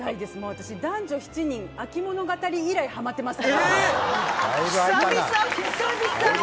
私、「男女７人秋物語」以来、はまっていますから。